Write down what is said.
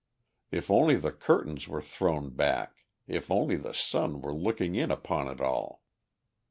If only the curtains were thrown back, if only the sun were looking in upon it all!